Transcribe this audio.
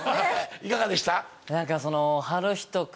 いかがでした？